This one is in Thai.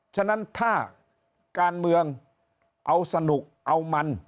ฉะนั้นถ้าการเมืองเอาสนุกเอามัน